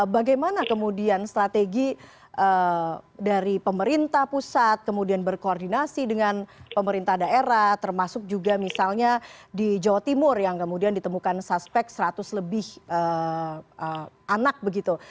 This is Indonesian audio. bagaimana kemudian strategi dari pemerintah pusat kemudian berkoordinasi dengan pemerintah daerah termasuk juga misalnya di jawa timur yang kemudian ditemukan suspek seratus lebih anak begitu